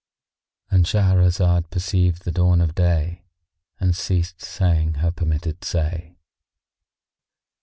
——And Shahrazad perceived the dawn of day and ceased saying her permitted say.